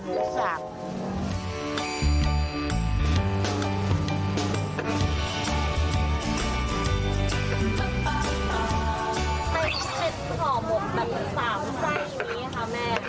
เป็นเฉทธิภาพหลวงแบบสามใจอยู่นี่ค่ะแม่